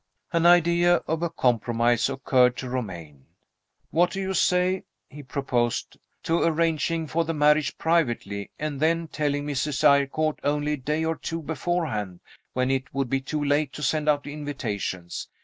An idea of a compromise occurred to Romayne. "What do you say," he proposed, "to arranging for the marriage privately and then telling Mrs. Eyrecourt only a day or two beforehand, when it would be too late to send out invitations?